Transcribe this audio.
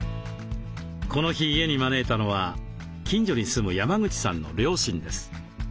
この日家に招いたのは近所に住む山口さんの両親です。